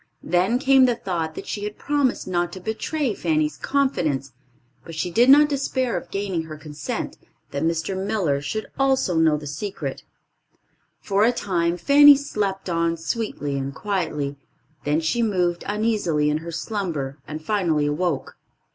Then came the thought that she had promised not to betray Fanny's confidence; but she did not despair of gaining her consent, that Mr. Miller should also know the secret. For a time Fanny slept on sweetly and quietly; then she moved uneasily in her slumber, and finally awoke.